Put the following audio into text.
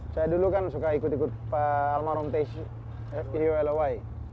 saya dulu kan suka ikut ikut pak almarhum teh iyulowai